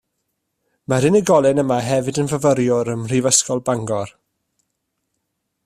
Mae'r unigolyn yma hefyd yn fyfyriwr ym mhrifysgol Bangor